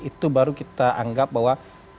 itu baru kita anggap bahwa